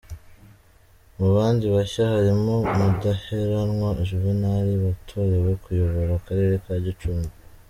Mu bandi bashya harimo Mudaheranwa Juvenal watorewe kuyobora Akarere ka Gicumbi.